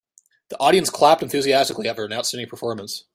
The audience clapped enthusiastically after an outstanding performance.